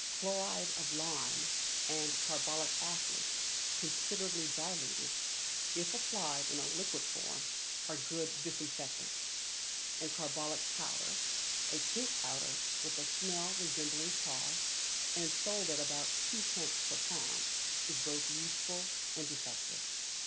Chloride of lime and carbolic acid considerably diluted, if applied in a liquid form, are good disinfectants, and carbolic powder a pink powder with a smell resembling tar, and sold at about 2d. per lb. is both useful and effective.